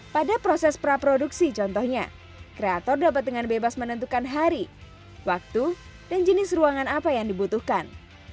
pada proses praproduksi contohnya kreator dapat dengan bebas menentukan hari waktu dan jenis ruangan apa yang dibutuhkan